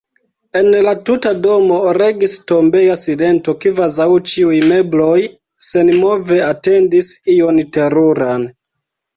En la tuta domo regis tombeja silento, kvazaŭ ĉiuj mebloj senmove atendis ion teruran.